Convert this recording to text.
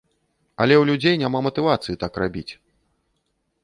Але ў людзей няма матывацыі так рабіць.